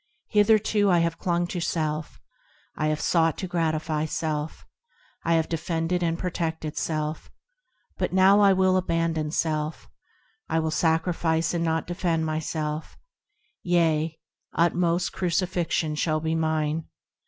Hitherto I have clung to self; I have sought to gratify self ; I have defended and protected myself ; But now I will abandon self; I will sacrifice and not defend myself ; Yea, utmost crucifixion shall be mine.